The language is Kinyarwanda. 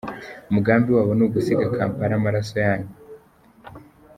Umugambi wabo ni ugusiga Kampala amaraso yanyu.